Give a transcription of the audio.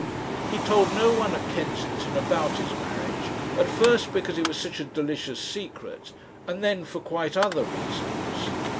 He told no one at Kensington about his marriage, at first because it was such a delicious secret, and then for quite other reasons.